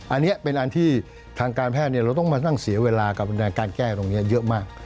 อันนี้เป็นอันที่ทางการแพทย์เราต้องมานั่งเสียเวลากับการแก้ตรงนี้เยอะมาก